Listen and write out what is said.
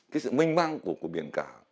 cái sự minh mang của biển cả